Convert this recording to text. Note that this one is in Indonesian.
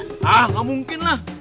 hah gak mungkin lah